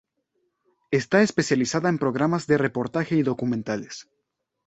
Está especializada en programas de reportaje y documentales.